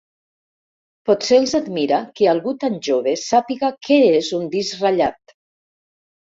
Potser els admira que algú tan jove sàpiga què és un disc ratllat.